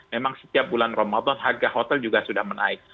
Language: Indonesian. memang setiap bulan ramadan harga hotel juga sudah menaik